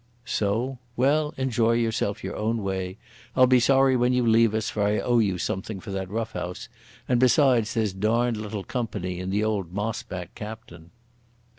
"So? Well, enjoy yourself your own way. I'll be sorry when you leave us, for I owe you something for that rough house, and beside there's darned little company in the old moss back captain."